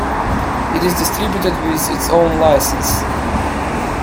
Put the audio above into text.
It is distributed with its own licence.